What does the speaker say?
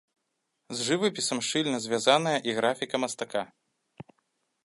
З жывапісам шчыльна звязаная і графіка мастака.